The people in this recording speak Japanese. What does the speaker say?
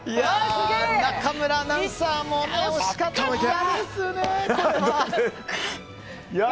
中村アナウンサーも惜しかったんですが。